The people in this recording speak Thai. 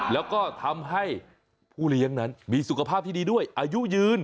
แล้วก็ทำให้ผู้เลี้ยงนั้นมีสุขภาพที่ดีด้วยอายุยืน